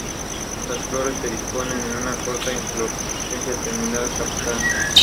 Las flores se disponen en una corta inflorescencia terminal, compacta.